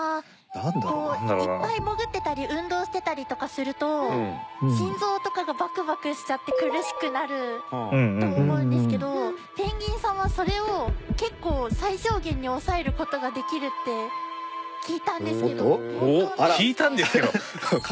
いっぱい潜ってたり運動してたりとかすると心臓とかがバクバクしちゃって苦しくなると思うんですけどペンギンさんはそれを結構最小限に抑える事ができるって聞いたんですけど本当なんですか？